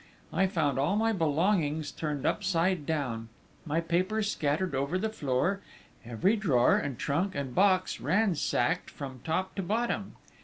_ _I found all my belongings turned upside down; my papers scattered over the floor, every drawer and trunk and box ransacked from top to bottom!